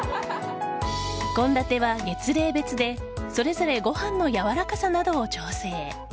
献立は月齢別でそれぞれご飯の軟らかさなどを調整。